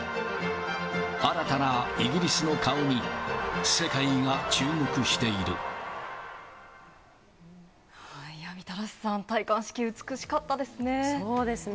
新たなイギリスの顔に、世界が注みたらしさん、戴冠式、そうですね。